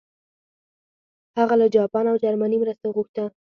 هغه له جاپان او جرمني مرسته وغوښته.